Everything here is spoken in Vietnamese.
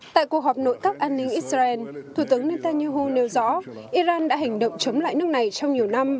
tại cuộc họp nội các an ninh israel thủ tướng netanyahu nêu rõ iran đã hành động chống lại nước này trong nhiều năm